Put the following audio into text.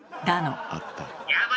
だの。